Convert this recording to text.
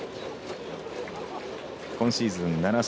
今シーズン、７勝。